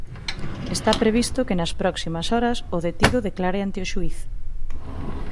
Está previsto que nas próximas horas o detido declare ante o xuíz.